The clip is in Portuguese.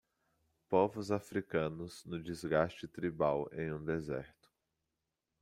Povos africanos no desgaste tribal em um deserto.